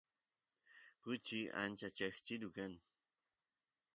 kuchi ancha cheqchilu kan